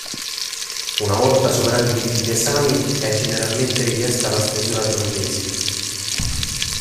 Una volta superati tutti gli esami è generalmente richiesta la stesura di una Tesi.